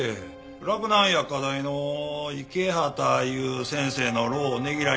洛南薬科大の池畑いう先生の労をねぎらいたい言うて。